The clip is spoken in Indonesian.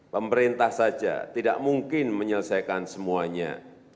pemerintah saja tidak mungkin menyelesaikan semuanya